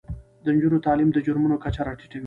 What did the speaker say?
د نجونو تعلیم د جرمونو کچه راټیټوي.